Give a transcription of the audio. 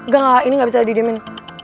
gak ini gak bisa didiemin